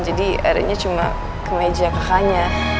jadi adanya cuma kemeja kakaknya